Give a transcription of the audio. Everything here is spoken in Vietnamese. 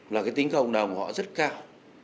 là tính cộng đồng của họ rất cao